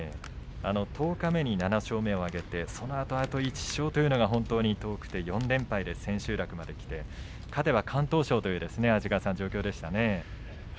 十日目に７勝目を挙げてそのあと、あと１勝というのが本当に遠くて４連敗で千秋楽まできてはい。